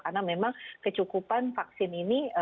karena memang kecukupan vaksin ini